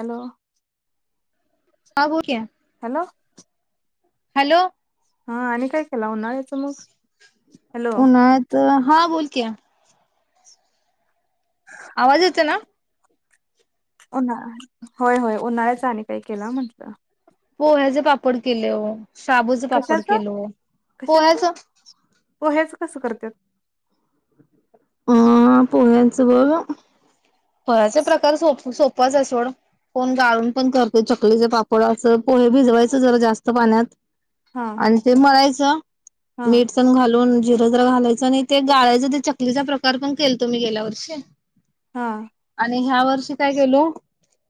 Hello हा बोलत hello hello हा आणि काय केला उन्हाळच हॅलो उन्हाळ्यात हा बोल की. आवाज येतोय ना? उन्हाळा हाय. होय होय उन्हाळ्याच आणि काही केला म्हंटलं. पोह्याचे पापड केले हो, शाबूचा पापड कशाच केलो, पोहा्याच कस करत्यात? ह [inaudible] [inaudible] फराळाचे प्रकार सोप सोप सोपच हाय सोड, कोण गाळून पण करतोय चकलीचे पापड असं पोहे भिजवायच जरा जास्त पाण्यात. हा आणि ते मळायच हा [unintelligible] मीठतेन घालून जिर जरा घालायचं आणि ते गाळायचं ते च कलीचा प्रकार पण केल तो मी गेल्या वर्षी हा आणि याव शिकाय गेलो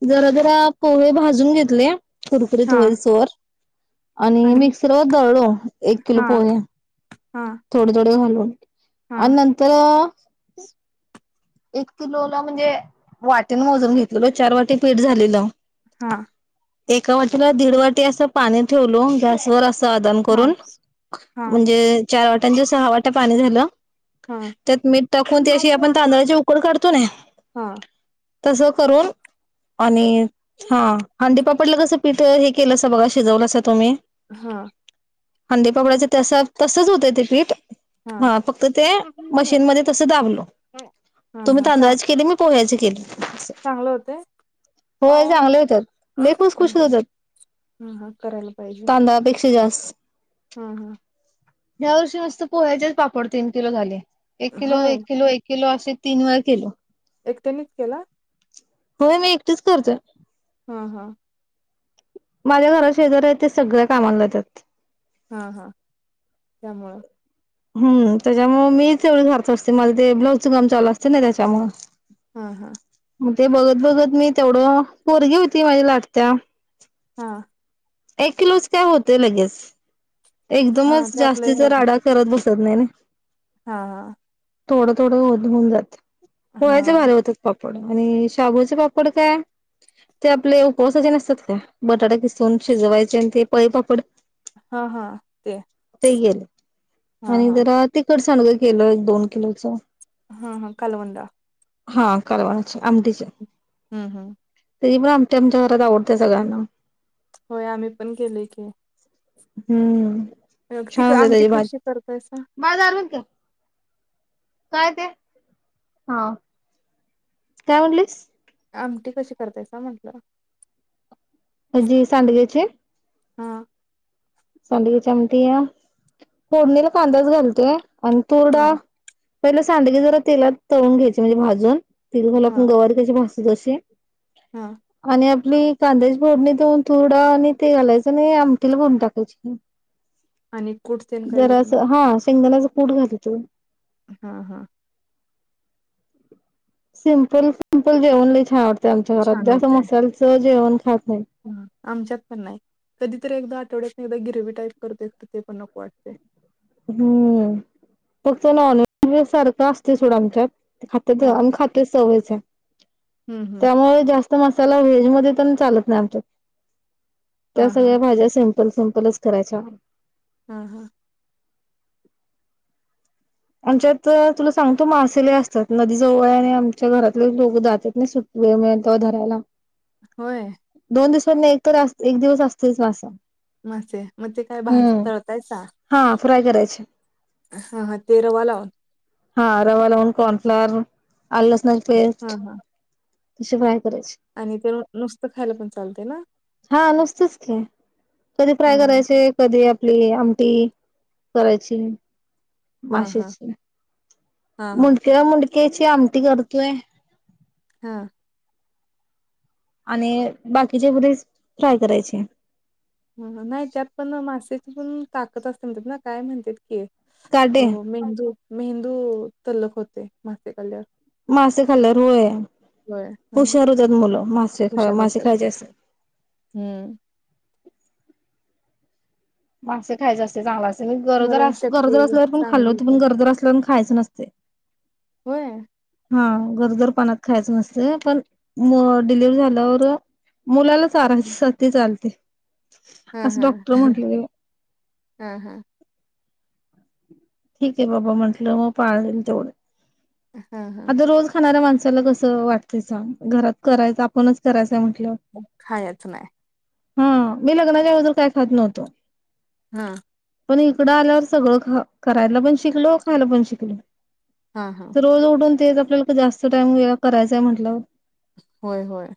जरा जरा पोहे भाजून घेतले. कुरकुरीत हा होईस्तोवर. आणि मिक्सर व दळो एक किलो हा पोहे हा थोडे थोडे घालून हा आणि नंतर ह एक किलोला म्हणजे वाटीन मोजून घेतलेल चार वाटी पीठ झालेलं. हा. एका वाटीला दीड वाटी असं पाणी ठेवलो गॅसवर अस आदान हा करून म्हणजे चार वाटी त्यांच्या सहा वाट्या पाणी झाल. हा त्यात मीठ टाकून ती अशी अंबाची आपण आंबा तांदळाची उकड अक्कल काढतो हा [inaudible] तस करून आणि हा अंडी पापड डलं कसं पीठं हे केलासा बघा शिजवलासा तुम्ही हा. अंडीपापडाच तस तसच होतंय ते पीठ. हा फक्त ते मशीन मध्ये तस दाबलो. हा तुम्ही हा चांग तांदळाचे केली मी पोहायचे केले. चांगलं होतेय चांगले होतात लय खुसखुशीत होतात हा करायला पाहिजे. तांदळापेक्षा जास्त हम्म हम्म ह्या वर्षी मस्त पोह्याचेच पापड तीन किलो झाले. एक किलो, होय एक किलो, एक किलो अस तीन वेळा केलो. एकटयानीच केला? होय मी एकटीच करते. हान हा माझ्या घरा शेजऱ्या आहेत ते सगळ्या कामाला जात्यात. हा हा त्यामुंळ, हम्म त्याच्यामुळे मीच एवढी घरच असते माझ ते ब्लाउजचं काम चालू असते ना त्याच्यामुळ. हा हा, ग ते बघत बघत मी तेवढं, पोरगी होती माझी लाटत्या. हा, एक किलोच काय होतय लगेच, हा एकदमच त्यातले जास्ती तर होत राडा नाही. करत बस. [unintelligible] हा हा, थोडं थोडं होत होऊन जात. हा पोह्याचा भारी हा होतात पापड. आणि शाबूचे पापड काय ते आपले उपवासाचे नसतात का बटाटा किसून. शिजवायचे आणि ते पळी पापड़. हा हा ते ते गेले हा आणि हा जरा तिख सांडग केलं एक दोन किलोच, हा हा कलवंदा. हा कालवनाचे आमटीचे. हम्म हम्म त्याची पण आमटी आमच्या घरात आवडते सगळ्यांना. होय आम्ही पण केलय की. हम्म अ ती छान होते आमटी त्याची कशी भाजी करतायस? काय ते? हा काय म्हटलीस? आमटी कशी करतायस म्हंटलं? हेजी सांडगेचे. हा, सांडग्याची आमटी या फोडणीला कांदाच कालकेय. आणि हा तूरडाळ. पहिलं सांडगे जरा तेलात तळून घ्यायचे म्हणजे भाजून. तेल घालून आपण हा गवारी कशी भाजतोय. जसे, हा आणि, आपली कांद्याची फोडणी देऊन, तूरडाळ आणि ते घालायचं आणि आमटीला फोडणी टाक. [unintelligible] आणि कुट तेन काय जरा अस वरण हा शेंगदन्याच कुठं घाल तू हा हा सिम्पल सिम्पल जेवन लय छान वाटतंय ते आमच्या घर जास्त मसाल्याचं जेवण खात नाही. ह आमच्यात पण नाही कधी तरी एकदा आठवड्यातनं एकदा गिरवी टाईप करतोय ते पण नको वाटतय. हम्म फक्त नॉनवेज सारखं असतय‌ सोडं आमच्यात. खात्यात हा आम्ही खातोय सवयच हाय हम्म हम्म त्यामुळे जास्त मसाला व्हेज मध्ये तेन चालत नाही आमच्यात. त्या हा हा सगळ्या भाज्या सेम. सिंपल सिंमपलच करायच हाय. हा हा. [inaudible] आमच्याइत तुला सांगतो मासे लई असतात नदी जवळ हाय आणि आमच्या घरातले लोक जातात नाही सुट्टी मिळल तवा धरायला. होय. नाही एक तर एक दिवस असतेच मासा. मासे मग ते काय भाज हम्म. तळतायसा हा फ्राय करायचे हा हा ते रवा लाव [unintelligible] हा रवा लावून कॉर्नफ्लोअर आलं लसणाची हा पेस्ट. हा तशी आणि ते नु- नुसतं खायला पण चालते ना [unintelligible] [inaudible] हा नुसतेच की कधी फ्राय हा हा करायचे कधी [unintelligible] आमटी करायची. हा हा मासेच हा हा मुंडक्या मुंड क्याची आमटी करतोय. हा. आणि बाकीचे [unintelligible] फ्राय करायचे. हह नाही त्यात पण मासेची पण ताकत असते म्हणतात ना काय म्हणत्यात काटे [unintelligible] मेंदू मेंह तु तल्लक होतय मासे खाल्यावर. मासे खाल्ल्यावर होय होय हा हुशार होतात मुलं मासे खा हुशार मासे होतात खायचे असतात. हम्म मासे खायचे असतात चांगल असतय स्मरण गरोदरअस शक्ती गरोदर असल्यावर पण खाल्ल चांगली होत पण होते गरोदर असल्या खायच नसतंय. होय. हा गरोदर पणात खायचं नसतय पण डिलिव्हरी झाल्यावर मुलाला चारायसाठीचं आलते. ह ह ह, ह. ठीक हाय बाबा म्हटलं पाळन तेवढं. हा हा आता रोज खाणाऱ्या माणस साला कस वाटतयं सांग. घरात करायच आपणच करायच. खायाच नाही. हा. मी लग्नाच्या अगोदर काय खात नव्हतो. हा. पण इकडं आल्यावर सगळं खा करायला पण शिकलो. खायला पण शिकलो. हा हा तर रोज उठून- - तेच आपल्याला जास्त टाईम वेळा करायचांय म्हटल्यावर होय होय.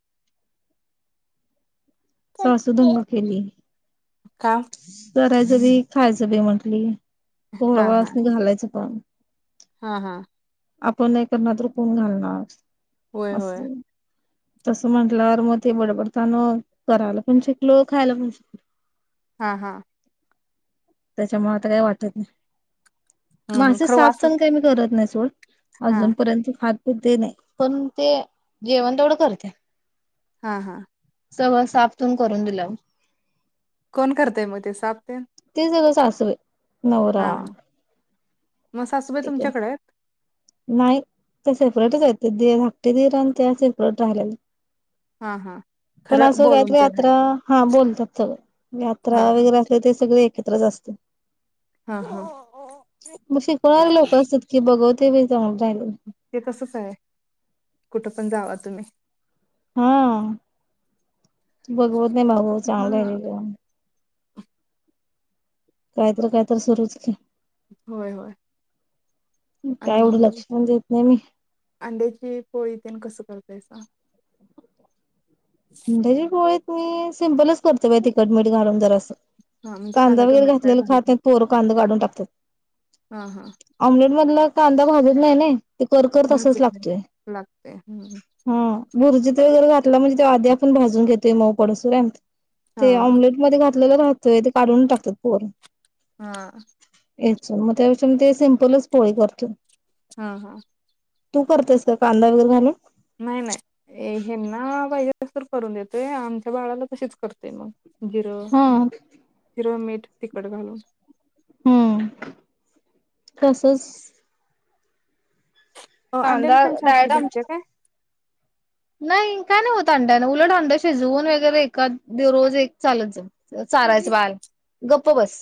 सासू दंगा केली. का? करायचं बी खायचं बी म्हंटली. पोरा बाळासनी घालायचं पण - - ह हा. आपण नाही करणार तर कोण घालणार? होय, होय. असं तसं म्हंटल्यावर मग ते बडबडतान करायला पण शिकलो, खायला पण शिकलो‌. हा, हा. त्याच्यामुळे आता काय वाटत नाही. हम्म, हम्म. मासे खरं साफ वाचलं सण काही मी करत नाही सोडा - - [unintelligible] हा अजूनपर्यंत खात ते नाही पण ते जेवण तेवढं करते. हा, हा. सगळ साफ तून करून दिल्यावर कोण करतेय मग ते साफ तेन? ते सगळ सासूबाई. नवरा. म सासुबाई ठीक आहे तुमच्याकडे आहेत? नाही ते सेपरेटच आहेत, ते धाकटे दीर आणि त्या सेपरेट राहिलेल्या. हा हा पण खरं असं बोलून काहीतरी ते नाही यात्रा हा बोलतात सगळे हा यात्रा हा वगैरे असल्यावर ते सगळे ए एकत्रच असतंय. हा हा मग शिकवणारे लोक असतात की बघत ते बी [unintelligible] ते तसच हाय कुठं पण जावा तुम्ही. हा. बघवत नाही भाऊ, भाऊ चांगल हा राहिलेलं. कायतर, कायतर सुरूच की होय, होय. काय एवढं आणि लक्ष पण देत नाही मी. अंड्याची पोळी तेन कस करतायसा? अंड्याची पोळी मी सिंम्पलच करतो बाई तिखट, मीठ घालून जरास हा म्हणजे कांदा वगैरे टोमॅटो काय घातलेला घालत खात नाय. नाही पोरं कांदा काढून टाकत हा हा [unintelligible] ऑमलेट मधलं कांदा भाजत नाई, नाई. ते करकर तसाच भाजत नाही लागतोय. लागतय हम्म हा बुरजीत वगैरे घातला म्हजी तो आधी आपण भाजून घेतोय मऊ पडसतोवर [unintelligible] हा ते ऑम्लेटमध्ये घात लगे राहतोय ते काढून टाकत्यात पोरं हा. याच [unintelligible] मग त्यापेक्षा मी ते सिम्पलच पोळी करतोय. हा, हा. तू करतेस का कांदा वगैरे घालून? नाही नाही हेंना पाहिजे तस करून देते, आमच्या बाळाला तशीच कर तोय मग जिरं, हा जिरं, मीठ तिखट घालून हम्म, तसंच अंड्यान पण डायरेक्ट छाती आमची भरत्या काय? नाही काय नाही होत अंड्यान. उलट अंड शिजवून वगैरे एका रोज एक चालत जा चारायचं बाळाला. गप्प बस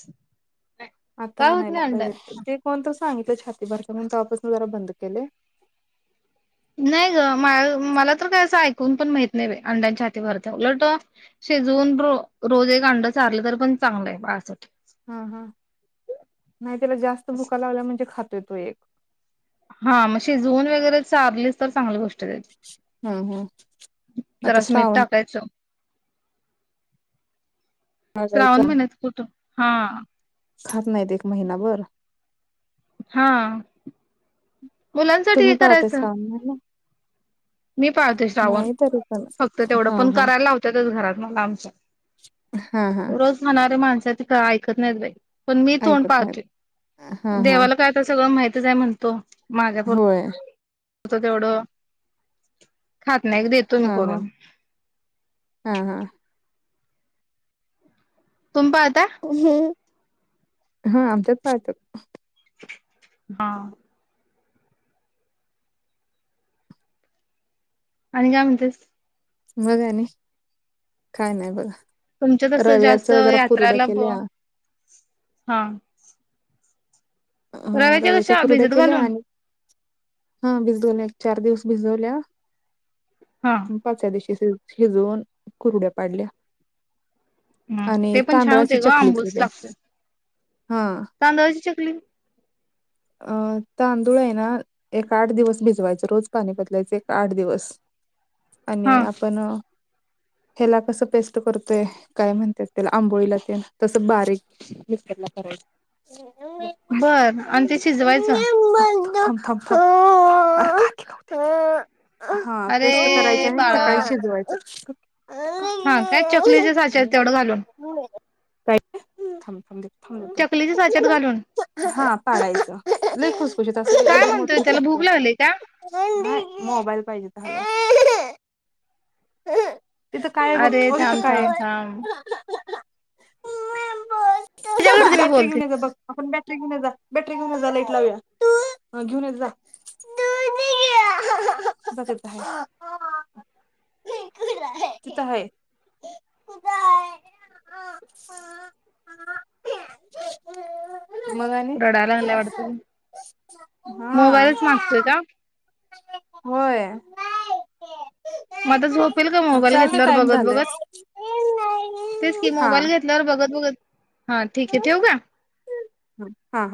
आता काय आणायला म्हणता पाहिजे, ते कोणतर सांगितलं छाती भरतेय म्हणून तवापासून जरा बंद केलंय. नाही ग मा मला तर काय असं ऐकून पण माहित नाही बई अंड्यांन छाती भरत्या. उलट शिजवून रोज एक अंड चारलं तर पण चांगलं आहे बाळासाठ हा, हा नाही त्याला जास्त भुका लागल्या म्हणजे खात तो एक. हा मग शिजवून वगैरे चारलीसच तर चांगली गोष्ट हम्म हम्म. [unintelligible] आता जरास मीठ श्रावण टाकायचं. श्रावण पाळायच्या महिन्यात कुठं, हा खात, नाहीत एक महिनाभर हा मुलांसाठी तुम्ही पाळताय करायचं श्रावण महिना? मी पाळते, श्रावण नाही तरी पण फक्त तेवढं हा पण हा करायला लावतातच घरात मला आमच्या हा हा रोज खणारे माणसं [unintelligible] का ऐकत नाहीत बाई पण मी तोंड ऐकत नाहीत. पाडतोय हा हा देवाला काय आता सगळं माहिती. काय म्हणतो. होय. होत तेवढं. खात नाही ग देतोय मी हा हा करून. हा हा. तुम्ही पाळता. हा आमच्यात पाळत्यात. हा. आणि काय म्हणतेस. मग आणि काय नाही बघा. तुमच तसं रव्याच जास्त जरा कुरुड्या यात्राला. केल्या. हा अ रव्याच्या कशा कुरुड्या भिजत केल्या घालून... आणि हा भिजवल्या चार दिवस भिजवल्या. हा पाचव्या दिवशी... शिजवून कुरूड्या पाडल्या. हम आणि ते पण छान तांदळाची होते ग चकली आंबूस केल्या लागतय. हा तांदळाची चकली... अं तांदूळ आहे ना एक आठ दिवस भिजवायचं, रोज पाणी पदलायचं एक आठ दिवस... आणि हा आपण... ह्याला कस पेस्ट करतोय काय म्हणते त्याला आंबोळीला तेन तस बारीक मिक्सरला करायच. बर आणतीस. शिजवायचा. [inaudible] हा पेस्ट करायची अरे आणि सकाळी बाळा शिजवायच. हा काय चकलीच्या साच्यात तेवढं घालून... [inaudible] चकलीच्या साच्यात घालून काढायचं. लय खुस असली की काय ती मोठी म्हणतोय त्याला भूक फुगत्या. लागली का न्हाय मोबाईल पाहिजे. [inaudible] तिथं काय आहे बघ, अरे अव तिथं थांब काय आहे? थांब थांब [inaudible] त्याच्याकडे मी बॅटरी बोलते घेऊन ये जा बघ. आपण बॅटरी घेऊन येजा, बॅटरी घेऊन ये जा लाईट लावूया, घेऊन येजा. बघ तिथं हाय. तिथं हाय. मग आणि? लाय वाटतं. हा मोबाईलच मागतोय का? होय म आता झोपेल का मोबाईल चालते घेतल्यावर टाइम बघत झालंय बघत? तेच की, हा मोबाईल घेतल्यावर बघत बघत हा, ठीक आहे ठेवू का? हा हा